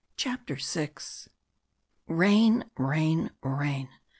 CHAPTER VI Rain, rain, rain!